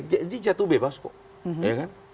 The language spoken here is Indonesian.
jadi jatuh bebas kok